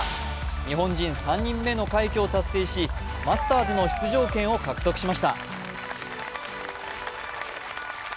日本人３人目の快挙を達成し、マスターズの出場権を獲得しました。